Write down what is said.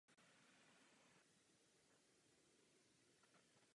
V nejvyšší československé lize si poprvé zahrál jako sedmnáctiletý.